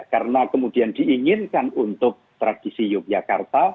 karena kemudian diinginkan untuk tradisi yogyakarta